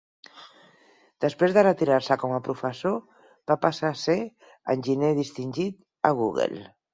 Després de retirar-se com a professor, va passar a ser enginyer distingit a Google.